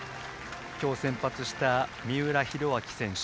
今日、先発した三浦寛明選手。